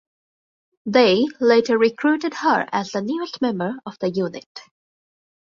They later recruited her as the newest member of the unit.